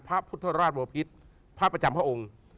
พระพุทธรรมรถมวลภิษฐ์พระประจำพระองค์